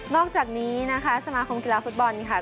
อกจากนี้นะคะสมาคมกีฬาฟุตบอลค่ะ